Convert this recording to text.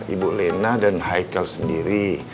ibu lena dan haicle sendiri